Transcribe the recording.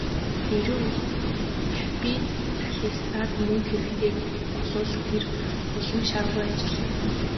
Хэрэв капиталистад мөнгө хэрэгтэй болбол тэр улам шаргуу ажиллана.